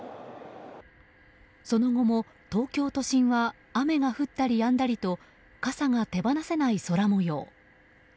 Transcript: その後も、東京都心は雨が降ったりやんだりと傘が手放せない空模様。